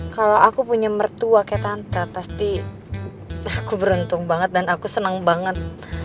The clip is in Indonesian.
kalau aku punya mertua kayak tante pasti aku beruntung banget dan aku senang banget